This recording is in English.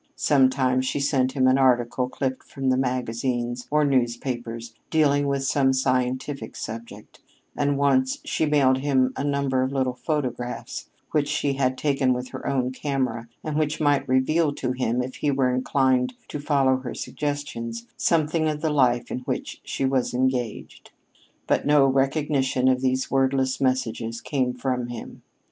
Sometimes she sent him an article clipped from the magazines or newspapers dealing with some scientific subject, and once she mailed him a number of little photographs which she had taken with her own camera and which might reveal to him, if he were inclined to follow their suggestions, something of the life in which she was engaged. But no recognition of these wordless messages came from him.